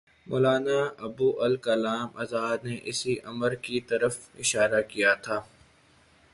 مولانا ابوالکلام آزاد نے اسی امر کی طرف اشارہ کیا تھا۔